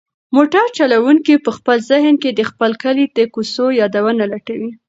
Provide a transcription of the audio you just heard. موټر چلونکی په خپل ذهن کې د خپل کلي د کوڅو یادونه لټوي.